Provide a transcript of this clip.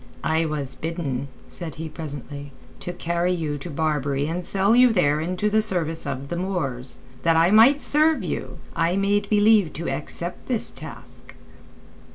"I was bidden," said he presently, "to carry you to Barbary and sell you there into the service of the Moors. That I might serve you, I made believe to accept this task."